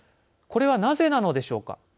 これは、なぜなのでしょうか。